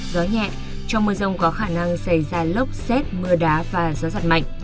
gió nhẹ trong mưa rông có khả năng xảy ra lốc xét mưa đá và gió giật mạnh